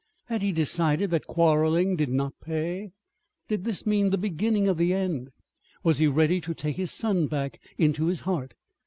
Had he decided that quarreling did not pay? Did this mean the beginning of the end? Was he ready to take his son back into his heart?